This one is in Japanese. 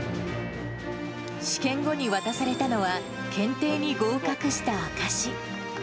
試験後に渡されたのは、検定に合格した証し。